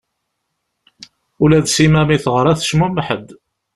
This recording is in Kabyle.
Ula d Sima mi i teɣra tecmumeḥ-d.